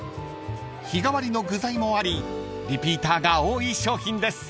［日替わりの具材もありリピーターが多い商品です］